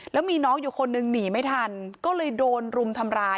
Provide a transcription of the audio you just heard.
แล้วมีน้องอยู่คนนึงหนีไม่ทันก็เลยโดนรุมทำร้าย